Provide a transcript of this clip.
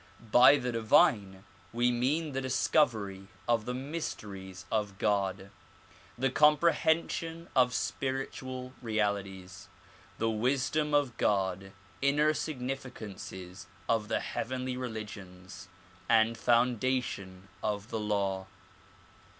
By the divine we mean the discovery of the mysteries of God, the comprehension of spiritual realities, the wisdom of God, inner significances of the heavenly religions and foundation of the law.